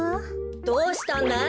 どうしたんだい？